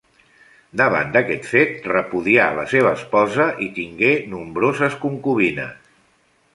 Davant d'aquest fet repudià la seva esposa i tingué nombroses concubines.